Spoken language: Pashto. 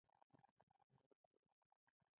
سترګه د رڼا حساسه ده.